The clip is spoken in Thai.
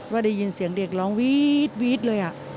ว่าได้ยินเสียงเด็กร้องวี๊ดเลยอ่ะ